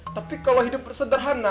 tapi kalau hidup sederhana